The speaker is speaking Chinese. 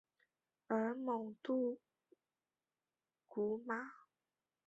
而蒙杜古马。